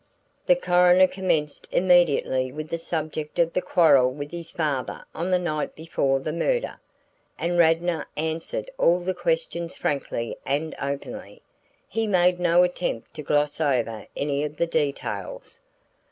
The coroner commenced immediately with the subject of the quarrel with his father on the night before the murder, and Radnor answered all the questions frankly and openly. He made no attempt to gloss over any of the details.